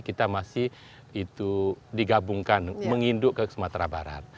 kita masih itu digabungkan menginduk ke sumatera barat